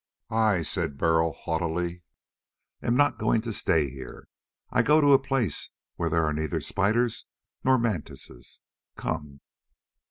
"I," said Burl haughtily, "am not going to stay here. I go to a place where there are neither spiders nor mantises. Come!"